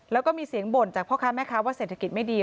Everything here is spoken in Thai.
แล้วก็มีเสียงบ่นจากพ่อค้าแม่ค้าว่าเศรษฐกิจไม่ดี